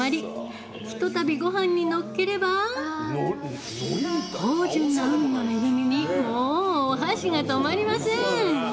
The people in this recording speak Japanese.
ひとたび、ごはんにのっければ芳じゅんな海の恵みにもう、お箸が止まりません！